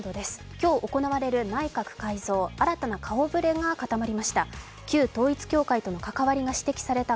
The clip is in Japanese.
今日行われる内閣改造、新たな顔ぶれが固まりました。